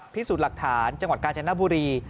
พิสูจน์หลักฐานจังหวัดกาญจนบุรี